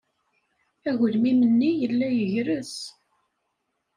Agelmim-nni yella yegres.